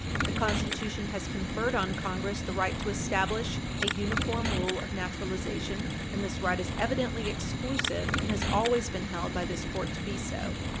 The Constitution has conferred on Congress the right to establish an uniform rule of naturalization, and this right is evidently exclusive, and has always been held by this court to be so.